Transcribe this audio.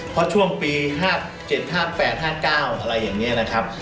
เพราะช่วงปี๕๗๕๘๕๙อะไรอย่างนี้นะครับ